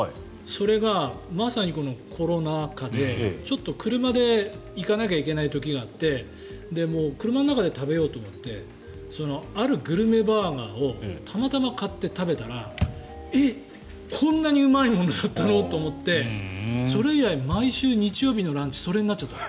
それがまさにこのコロナ禍でちょっと車で行かなきゃいけない時があって車の中で食べようと思ってあるグルメバーガーをたまたま買って食べたらえっ、こんなにうまいものだったの？と思ってそれ以来、毎週日曜日のランチはそれになっちゃった。